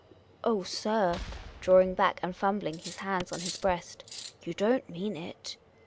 " Oh, sir," drawing back, and fumbling his hands on his breast, " you don't mean it."